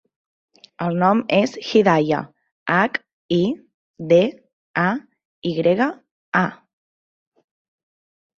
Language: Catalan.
El nom és Hidaya: hac, i, de, a, i grega, a.